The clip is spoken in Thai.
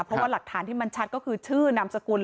เพราะว่าหลักฐานที่มันชัดก็คือชื่อนามสกุล